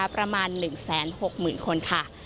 ประมาณ๑๖๐๐๐คนค่ะ